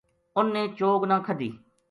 اُنھ نے چوگ نہ کھدی